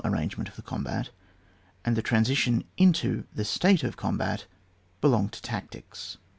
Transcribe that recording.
29 arrangement of the combat and the transition into the state of combat belong to tactics.